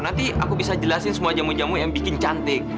nanti aku bisa jelasin semua jamu jamu yang bikin cantik